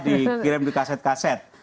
dikirim di kaset kaset